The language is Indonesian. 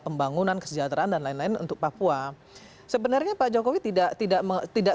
pembangunan kesejahteraan dan lain lain untuk papua sebenarnya pak jokowi tidak tidak